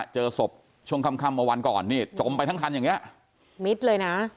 เจอศพช่วงค่ำค่ำเมื่อวันก่อนนี่จมไปทั้งคันอย่างนี้มิดเลยนะ